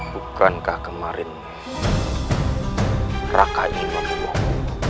bukankah kemarin raka ini memiliki